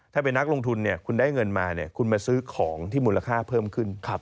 ถ้าเป็นนักลงทุนคุณได้เงินมาคุณมาซื้อของที่มูลค่าเพิ่มขึ้น